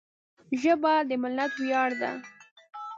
ژبه د ملت ویاړ ده